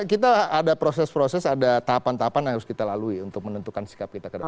kita ada proses proses ada tahapan tahapan yang harus kita lalui untuk menentukan sikap kita ke depan